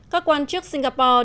các quan chức singapore